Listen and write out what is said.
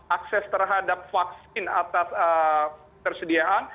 akses terhadap vaksin atas tersediaan